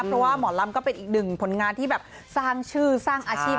เพราะว่าหมอลำก็เป็นอีกหนึ่งผลงานที่แบบสร้างชื่อสร้างอาชีพ